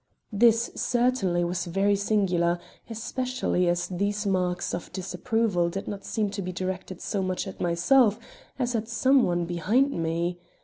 This certainly was very singular, especially as these marks of disapproval did not seem to be directed so much at myself as at some one behind me.